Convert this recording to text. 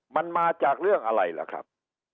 มันมาจากเรื่องอะไรล่ะครับ